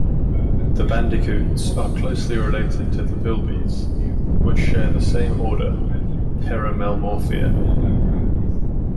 The bandicoots are closely related to the bilbies, which share the same order, Peramelemorphia.